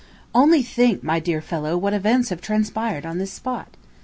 Only think, my dear fellow, what events have transpired on this spot.